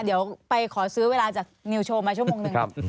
เดี๋ยวไปขอซื้อเวลาจากนิวโชว์มาชั่วโมงหนึ่ง